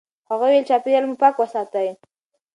هغه وویل چې چاپیریال مو پاک وساتئ.